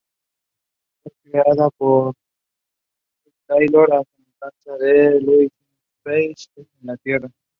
Fue creada por Roderick Taylor a semejanza de "Lost in Space" en la tierra.